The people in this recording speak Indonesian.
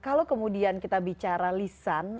kalau kemudian kita bicara lisan